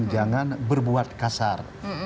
jangan berbuat kasar